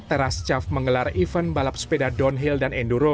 teras caf menggelar event balap sepeda downhill dan enduro